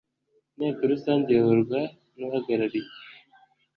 Inteko Rusange iyoborwa n uhagarariye